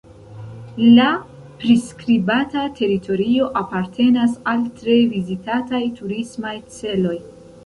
La priskribata teritorio apartenas al tre vizitataj turismaj celoj.